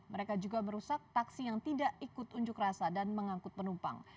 mereka juga merusak taksi yang tidak ikut unjuk rasa dan mengangkut penumpang